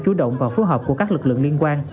chú động và phù hợp của các lực lượng liên quan